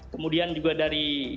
kemudian juga dari